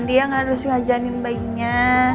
dia harus ngajarin bayinya